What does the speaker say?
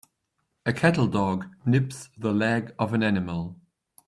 A cattle dog nips the leg of an animal.